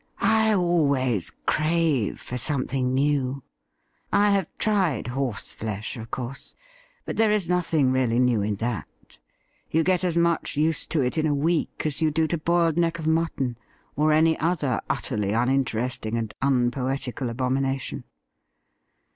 'I always crave for something new. I have tried horseflesh, of course, but there is nothing really new in that. You get as much used to it in a week as you do to boiled neck of mutton or any other utterly uninteresting and unpoetical abomi nation.